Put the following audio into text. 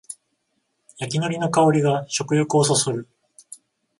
焼きのりの香りが食欲をそそる